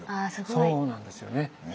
そうなんですよね。